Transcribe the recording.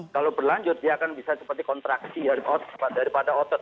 kalau berlanjut dia akan bisa seperti kontraksi daripada otot